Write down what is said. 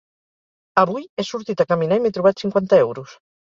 Avui he sortit a caminar i m'he trobat cinquanta euros.